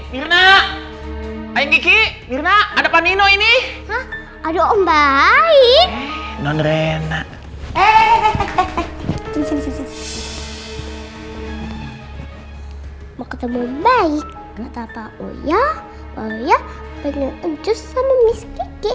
bagaimana menurut telsa